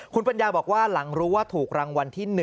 คุณปัญญาบอกว่าหลังรู้ว่าถูกรางวัลที่๑